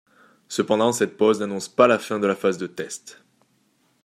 Cependant cette pause n'annonce pas la fin de la phase de test.